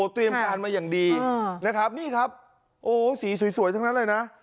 เตรียมการมาอย่างดีนะครับนี่ครับโอ้สีสวยทั้งนั้นเลยนะ